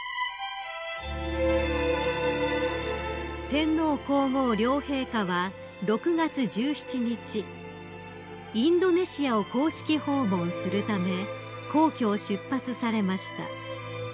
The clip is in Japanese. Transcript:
［天皇皇后両陛下は６月１７日インドネシアを公式訪問するため皇居を出発されました］